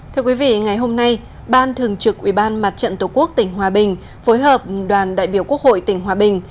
thưa quý vị ngày hôm nay ban thường trực ubnd tq tỉnh hòa bình phối hợp đoàn đại biểu quốc hội tỉnh hòa bình